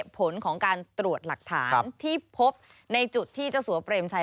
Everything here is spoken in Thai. ผลของการตรวจหลักฐานที่พบในจุดที่เจ้าสัวเปรมชัย